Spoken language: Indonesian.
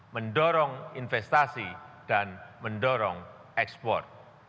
mendorong investasi dan mendorong ekspor